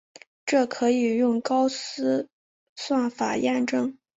这可以用高斯算法验证。